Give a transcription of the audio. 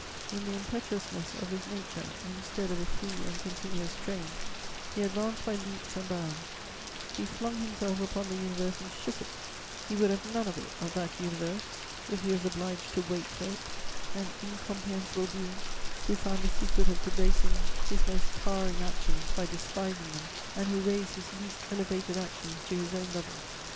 In the impetuousness of his nature, instead of a free and continuous train, he advanced by leaps and bounds, he flung himself upon the universe and shook it; he would have none of it, of that universe, if he was obliged to wait for it: an incomprehensible being, who found the secret of debasing his most towering actions by despising them, and who raised his least elevated actions to his own level.